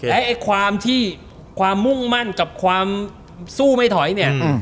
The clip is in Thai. และไอ้ความที่ความมุ่งมั่นกับความสู้ไม่ถอยเนี่ย